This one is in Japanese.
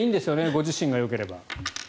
ご自身がよければ。